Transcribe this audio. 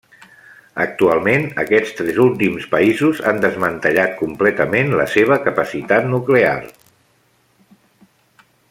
Actualment, aquests tres últims països han desmantellat completament la seva capacitat nuclear.